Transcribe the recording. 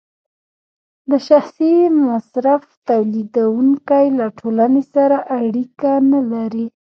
د شخصي مصرف تولیدونکی له ټولنې سره اړیکه نلري